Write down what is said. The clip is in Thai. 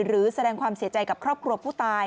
หรือแสดงความเสียใจกับครอบครัวผู้ตาย